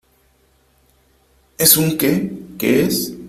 ¿ Es un qué ?¿ qué es ?